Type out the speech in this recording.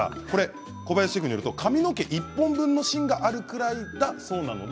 小林シェフによると髪の毛１本分の芯があるくらいがいいそうです。